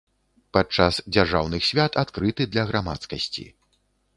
Падчас дзяржаўных свят адкрыты для грамадскасці.